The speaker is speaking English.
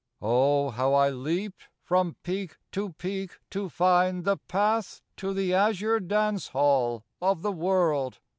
73 O, how I leaped from peak to peak to find The path to the azure dance hall of the world.